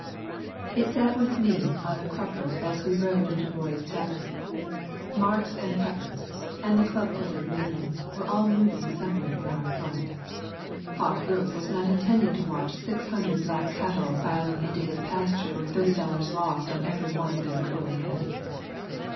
It sat with me on the crupper as we rode into Roy's tavern. Marks and Peppers and the club footed Malan were all moving somewhere in our front. Hawk Rufe was not intending to watch six hundred black cattle filing into his pasture with thirty dollars lost on every one of their curly heads.